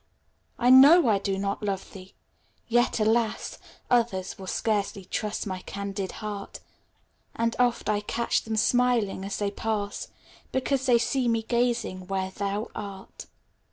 I know I do not love thee ! yet, alas ! Others will scarcely trust my candid heart; And oft I catch them smiling as they pass, Because they see me gazing where thou art.